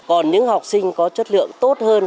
còn những học sinh có chất lượng tốt hơn